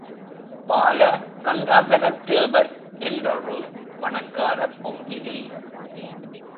பால கங்காதரத் தேவர் என்றொரு பணக்காரப் போக்கிரி.